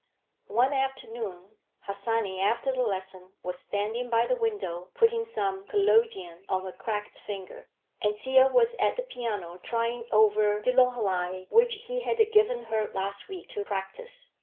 One afternoon Harsanyi, after the lesson, was standing by the window putting some collodion on a cracked finger, and Thea was at the piano trying over "Die Lorelei" which he had given her last week to practice.